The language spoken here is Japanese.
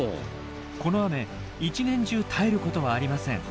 この雨一年中絶えることはありません。